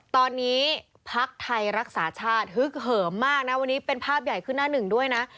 ตอนนี้พักไทยรักษาชาติฮึกเหิมมากนะวันนี้เป็นภาพใหญ่ขึ้นหน้าหนึ่งด้วยนะ